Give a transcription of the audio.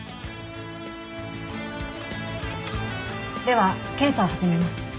では検査を始めます。